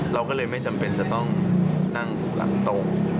เราก็เลยไม่จำเป็นจะต้องนั่งหลังโต๊ะ